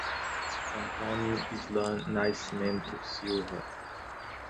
Antônio Islan Nascimento Silva